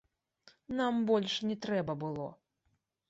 Нам больш не трэба было.